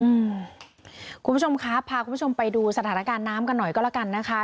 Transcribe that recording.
คุณผู้ชมครับพาคุณผู้ชมไปดูสถานการณ์น้ำกันหน่อยก็แล้วกันนะคะ